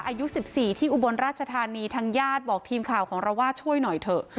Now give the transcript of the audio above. อายุ๑๔ที่อุบลราชธานีทางญาติบอกทีมข่าวของเราว่าช่วยหน่อยเถอะ